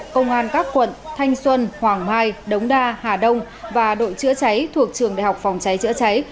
công an các quận thanh xuân hoàng mai đống đa hà đông và đội chữa cháy thuộc trường đại học phòng cháy chữa cháy